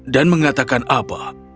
dan mengatakan apa